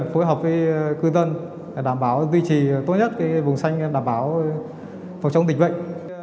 phối hợp với cư dân đảm bảo duy trì tốt nhất cái bùng xanh đảm bảo phòng chống dịch bệnh